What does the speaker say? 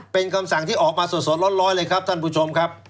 เป็นคำสั่งที่ออกมาสดร้อนเลยครับท่านผู้ชมครับ